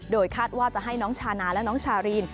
โดยคาดว่าจะให้น้องชานาและน้องชารีน